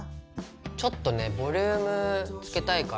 ちょっとねボリュームつけたいから。